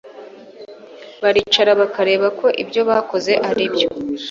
baricara bakareba ko ibyo bakoze aribyo